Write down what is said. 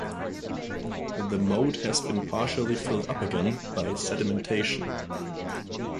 The moat has been partially filled up again by sedimentation.